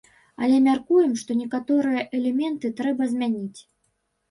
Але мяркуем, што некаторыя элементы трэба змяніць.